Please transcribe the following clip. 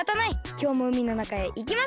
きょうもうみのなかへいきますか！